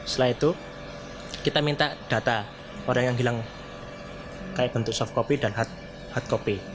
setelah itu kita minta data orang yang hilang kayak bentuk soft copy dan hard copy